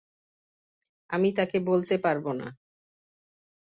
আমি তাকে বলতে পারব না।